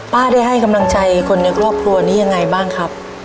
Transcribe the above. ได้ให้กำลังใจคนในครอบครัวนี้ยังไงบ้างครับ